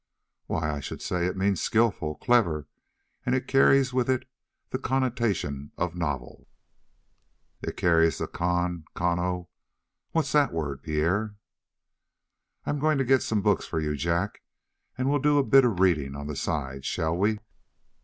"Why, I should say it means 'skillful, clever,' and it carries with it the connotation of 'novel.'" "It carries the con conno what's that word, Pierre?" "I'm going to get some books for you, Jack, and we'll do a bit of reading on the side, shall we?"